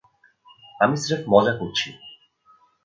আমি স্রেফ মজা করছি।